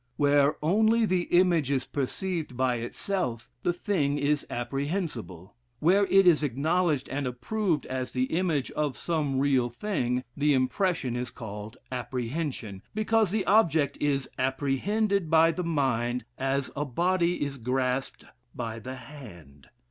Where only the image is perceived by itself, the thing is apprehensible; where it is acknowledged and approved as the image of some real thing, the impression is called apprehension, because the object is apprehended by the mind as a body is grasped by the hand.